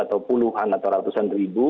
atau puluhan atau ratusan ribu